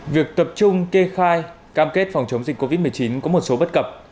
việc tập trung kê khai cam kết phòng chống dịch covid một mươi chín có một số bất cập